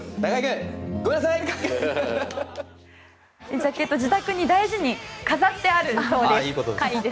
ジャケット、自宅に大事に飾ってあるそうです。